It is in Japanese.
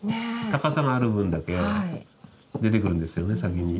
高さがある分だけ出てくるんですよね先に。